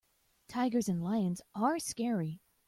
Tigers and lions are scary.